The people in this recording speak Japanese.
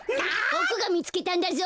ボクがみつけたんだぞ。